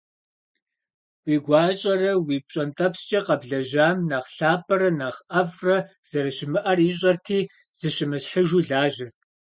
Уи гуащӀэрэ уи пщӀэнтӀэпскӀэ къэблэжьам нэхъ лъапӀэрэ нэхъ ӀэфӀрэ зэрыщымыӀэр ищӀэрти, зыщымысхьыжу лажьэрт.